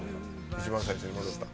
一番最初に戻った。